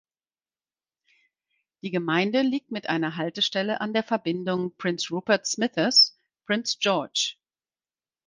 Die Gemeinde liegt mit einer Haltestelle an der Verbindung "Prince Rupert–Smithers–Prince George".